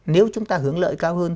nếu chúng ta hướng lợi cao hơn